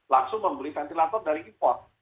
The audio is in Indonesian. langsung membeli ventilator dari import